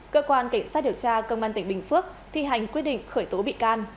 cơ quan cảnh sát điều tra công an tỉnh bình phước thi hành quyết định khởi tố bị can